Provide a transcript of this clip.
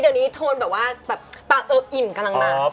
ตอนนี้โทนเป็นป้าเอิบอิ่มกำลังมา